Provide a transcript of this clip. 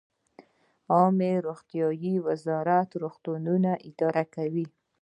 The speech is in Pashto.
عامې روغتیا وزارت روغتونونه اداره کوي